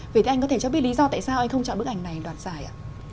vậy thì anh có thể cho biết lý do tại sao anh không chọn bức ảnh này đoạt giải ạ